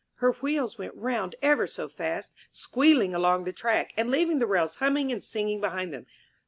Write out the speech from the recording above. Her wheels went round ever so fast, squealing along on the track, and leaving the rails humming and singing behind them.